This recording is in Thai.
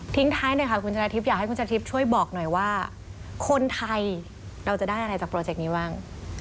ท้ายหน่อยค่ะคุณชนะทิพย์อยากให้คุณชะทิพย์ช่วยบอกหน่อยว่าคนไทยเราจะได้อะไรจากโปรเจกต์นี้บ้าง